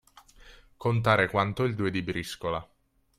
Contare quanto il due di briscola.